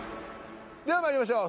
ではまいりましょう。